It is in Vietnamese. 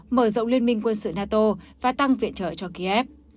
mở rộng liên minh quân sự nato và tăng viện trợ cho kiev